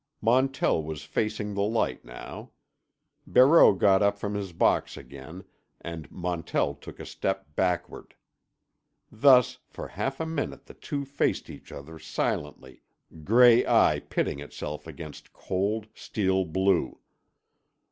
Montell was facing the light now. Barreau got up from his box again, and Montell took a step backward. Thus for a half minute the two faced each other silently, gray eye pitting itself against cold, steel blue.